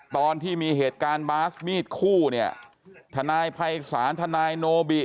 ตอนที่มีเหตุการณ์บาสมีดคู่เนี่ยทนายภัยศาลทนายโนบิ